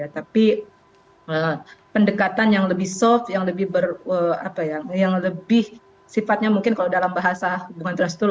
tapi pendekatan yang lebih soft yang lebih sifatnya mungkin kalau dalam bahasa hubungan infrastruktur